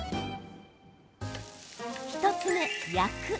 １つ目、焼く。